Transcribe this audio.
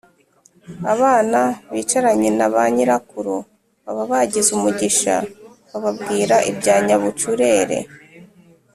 abana bicaranye na ba nyirakuru baba bagize umugisha, bababwira ibya nyabucurere